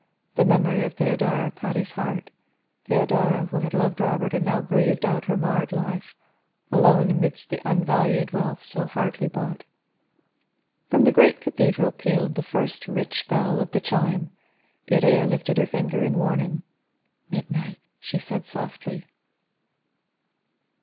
The memory of Theodora caught at his heart, Theodora, who had loved Robert and now grieved out her marred life, alone amidst the unvalued wealth so hardly bought. From the great cathedral pealed the first rich bell of the chime. Iría lifted her finger in warning. "Midnight," she said softly.